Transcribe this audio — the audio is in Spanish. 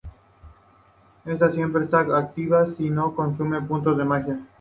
Estas siempre están activas y no consumen puntos de magia.